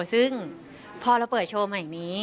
ซึ่งพอเราเปิดโชว์ใหม่นี้